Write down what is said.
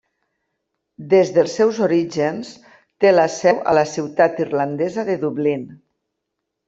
Des dels seus orígens té la seu a la ciutat irlandesa de Dublín.